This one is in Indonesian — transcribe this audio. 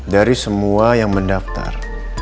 dari semua yang mendaftar